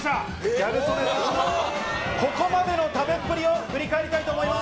ギャル曽根さんのここまでの食べっぷりを振り返りたいと思います。